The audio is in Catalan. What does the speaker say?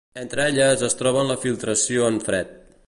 Entre elles es troben la filtració en fred.